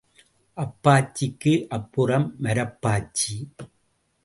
அப்பாச்சிக்கு அப்புறம் மரப்பாச்சி.